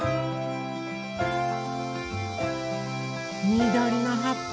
みどりのはっぱ